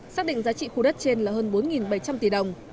xác định giá trị khu đất trên là hơn bốn bảy trăm linh tỷ đồng